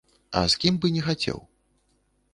А з кім бы не хацеў?